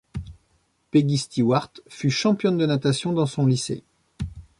Peggy Stewart fut championne de natation dans son lycée.